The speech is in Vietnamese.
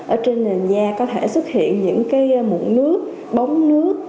ở trên nền da có thể xuất hiện những cái mụn nước bóng nước